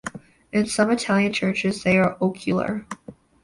In some Italian churches they are ocular.